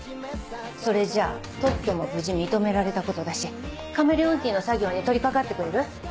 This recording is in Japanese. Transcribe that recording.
それじゃ特許も無事認められたことだしカメレオンティーの作業に取りかかってくれる？